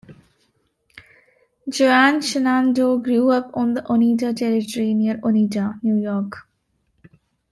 Joanne Shenandoah grew up on the Oneida Territory near Oneida, New York.